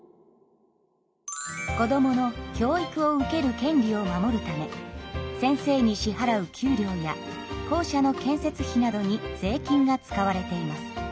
子どもの教育を受ける権利を守るため先生に支はらう給料や校舎の建設費などに税金が使われています。